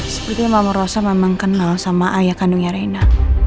seperti mama rosa memang kenal sama ayah kandungnya reina